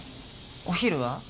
お昼は？